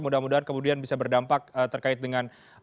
mudah mudahan kemudian bisa berdampak terkait dengan